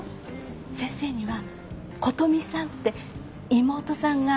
先生には琴美さんって妹さんがいるそうね。